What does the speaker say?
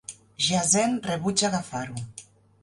Jiazhen rebutja agafar-ho.